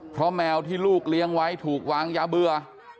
เพราะแมวที่ลูกเลี้ยงไว้ถูกวางยาเบื่อ